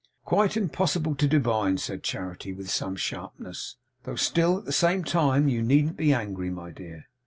'Quite impossible to divine!' said Charity, with some sharpness, 'though still, at the same time, you needn't be angry, my dear.